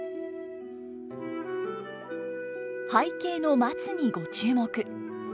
背景の松にご注目。